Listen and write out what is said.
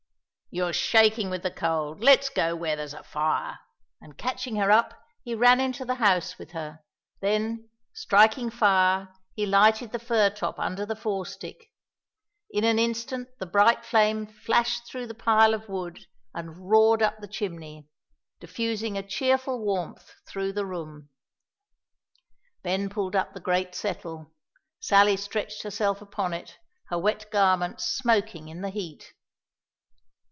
"You're shaking with the cold; let's go where there's a fire;" and catching her up, he ran into the house with her; then striking fire, he lighted the fir top under the forestick; in an instant the bright flame flashed through the pile of wood, and roared up the chimney, diffusing a cheerful warmth through the room. Ben pulled up the great settle; Sally stretched herself upon it, her wet garments smoking in the heat.